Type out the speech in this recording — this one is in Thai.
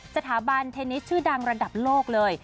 สถาบันเทนนิสชื่อดังระดับโลกเลย